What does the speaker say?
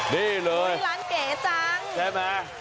นี่เลยโอ้ยร้านเก๋จัง